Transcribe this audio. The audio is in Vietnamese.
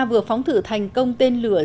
vừa phóng thử thành công tên lửa